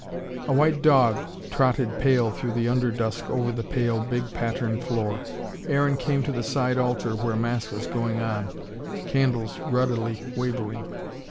A white dog trotted pale through the under dusk, over the pale, big patterned floor. Aaron came to the side altar where mass was going on, candles ruddily wavering.